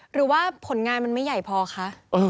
หรือว่าผลงานมันไม่ใหญ่พอคะ